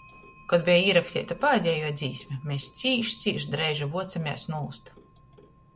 Kod beja īraksteita pādejuo dzīsme, mes cīš, cīš dreiži vuocemēs nūst.